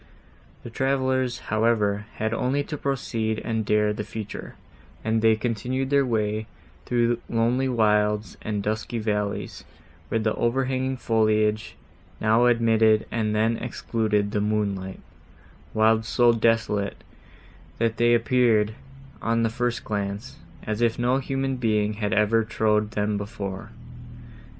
The travellers, however, had only to proceed and dare the future; and they continued their way through lonely wilds and dusky valleys, where the overhanging foliage now admitted, and then excluded the moonlight; wilds so desolate, that they appeared, on the first glance, as if no human being had ever trod them before.